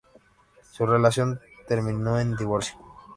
Su relación terminó en divorcio.